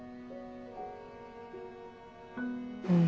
うん。